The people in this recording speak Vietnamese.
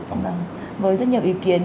với rất nhiều ý kiến